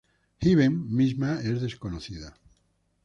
Heaven misma es desconocida.